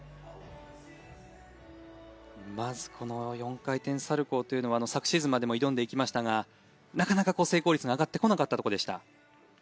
まずこの４回転サルコーというのは昨シーズンまでも挑んでいきましたがなかなか成功率が上がってこなかったところでした。